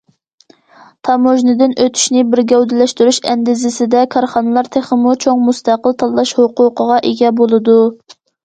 تاموژنىدىن ئۆتۈشنى بىر گەۋدىلەشتۈرۈش ئەندىزىسىدە، كارخانىلار تېخىمۇ چوڭ مۇستەقىل تاللاش ھوقۇقىغا ئىگە بولىدۇ.